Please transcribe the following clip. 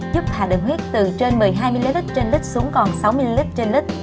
giúp hạ đường huyết từ trên một mươi hai ml trên lít xuống còn sáu ml trên lít